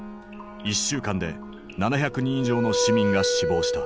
１週間で７００人以上の市民が死亡した。